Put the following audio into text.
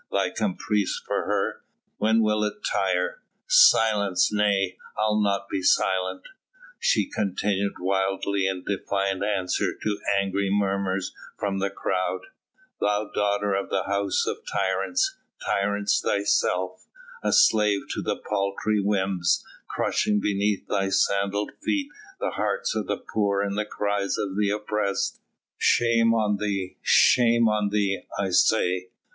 thy caprice for her when will it tire? Silence? nay! I'll not be silent," she continued wildly in defiant answer to angry murmurs from the crowd. "Thou daughter of a house of tyrants, tyrant thyself! a slave to thy paltry whims, crushing beneath thy sandalled feet the hearts of the poor and the cries of the oppressed! Shame on thee! shame on thee, I say!"